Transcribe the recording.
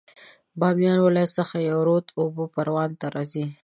د بامیان ولایت څخه یو رود اوبه پروان ته راځي